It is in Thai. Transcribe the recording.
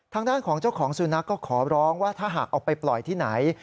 ทางด้านของเจ้าของสุนัขก็ขอร้องว่าถ้าหากเอาไปปล่อยที่ไหน